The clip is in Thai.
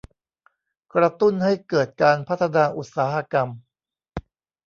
กระตุ้นให้เกิดการพัฒนาอุตสาหกรรม